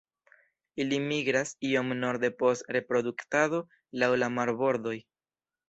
Ili migras iom norde post reproduktado laŭ la marbordoj.